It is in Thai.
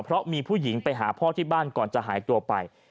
เพราะมีผู้หญิงไปหาพ่อที่บ้านก่อนจะหายตัวไป